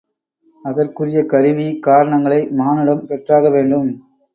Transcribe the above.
அதற்குரிய கருவி, காரணங்களை மானுடம் பெற்றாக வேண்டும்.